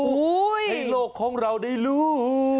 ให้โลกของเราได้รู้